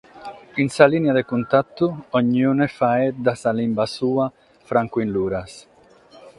In sa lìnia de cuntatu onniune faeddat sa limba sua, francu in Luras.